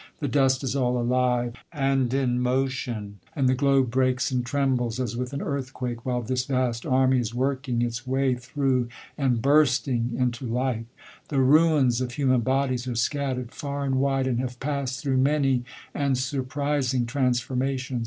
The dust is all aHve, and m motion, and the globe breaks and trembles, as wiili an earthquake, while this vast army is working its way through, and bursting into life. The ruins of human bodies are scattered far and wide, and have passed through many, and surprising transformations.